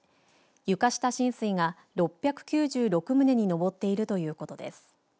床下浸水が６９６棟に上っているということです。